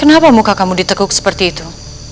kenapa muka kamu ditekuk seperti itu